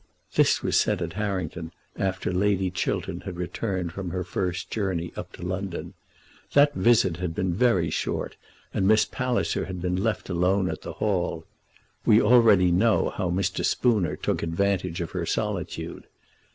This was said at Harrington after Lady Chiltern had returned from her first journey up to London. That visit had been very short, and Miss Palliser had been left alone at the hall. We already know how Mr. Spooner took advantage of her solitude.